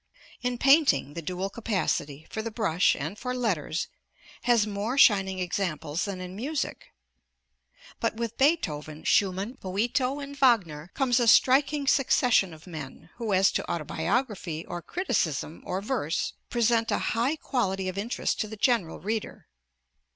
In painting, the dual capacity for the brush and for letters has more shining examples than in music. But with Beethoven, Schumann, Boito, and Wagner, comes a striking succession of men who, as to autobiography or criticism or verse, present a high quality of interest to the general reader.